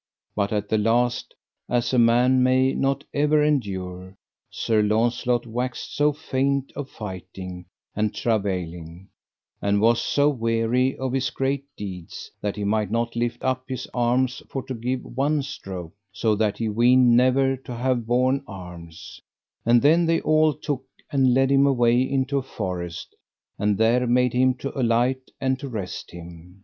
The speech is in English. But at the last, as a man may not ever endure, Sir Launcelot waxed so faint of fighting and travailing, and was so weary of his great deeds, but he might not lift up his arms for to give one stroke, so that he weened never to have borne arms; and then they all took and led him away into a forest, and there made him to alight and to rest him.